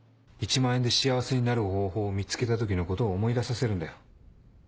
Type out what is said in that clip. １万円で幸せになる方法を見つけた時のことを思い出させるんだよ。